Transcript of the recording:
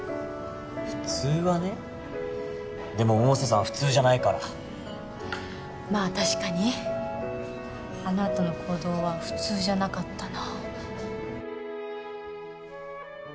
普通はねでも百瀬さんは普通じゃないからまあ確かにあのあとの行動は普通じゃなかったな